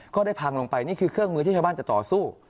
ได้พังลงไปนี่คือเครื่องมือที่ชาวบ้านจะต่อสู้